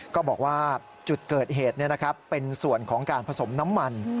ก็บอกว่าจุดเกิดเหตุเป็นส่วนของการผสมน้ำมัน